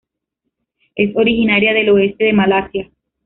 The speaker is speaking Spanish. Es originaria del oeste de Malasia.